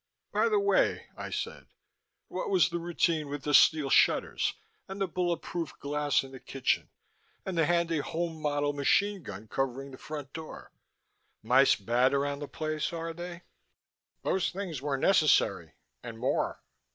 "By the way," I said. "What was the routine with the steel shutters, and the bullet proof glass in the kitchen, and the handy home model machine gun covering the front door? Mice bad around the place, are they?" "Those things were necessary and more."